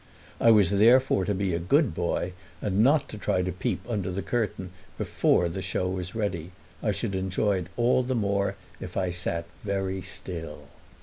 I was therefore to be a good boy and not try to peep under the curtain before the show was ready: I should enjoy it all the more if I sat very still.